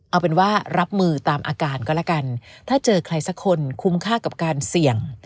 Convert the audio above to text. เอาเป็นว่ารับมือตามอาการก็แล้วกันถ้าเจอใครสักคนคุ้มค่ากับการเสี่ยง